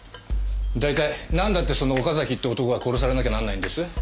大体なんだってその岡崎って男が殺されなきゃなんないんです？